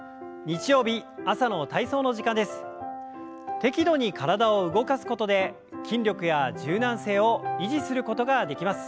適度に体を動かすことで筋力や柔軟性を維持することができます。